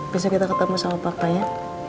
besok kita ketemu sama papa ya